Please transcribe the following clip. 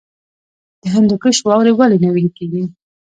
د هندوکش واورې ولې نه ویلی کیږي؟